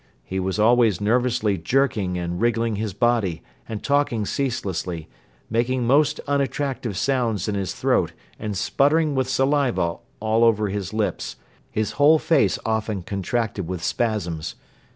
He was always nervously jerking and wriggling his body and talking ceaselessly, making most unattractive sounds in his throat and sputtering with saliva all over his lips, his whole face often contracted with spasms.